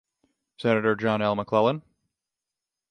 Senator John L. McClellan.